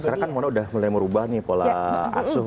sekarang kan mona udah mulai merubah nih pola asuh